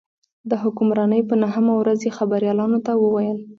د حکمرانۍ په نهمه ورځ یې خبریالانو ته وویل.